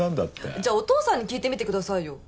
じゃあお父さんに聞いてみてくださいよ。